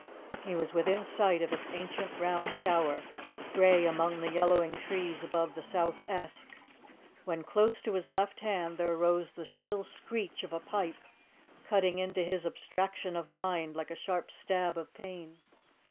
He was within sight of its ancient round tower, grey among the yellowing trees above the South Esk, when close to his left hand there rose the shrill screech of a pipe, cutting into his abstraction of mind like a sharp stab of pain.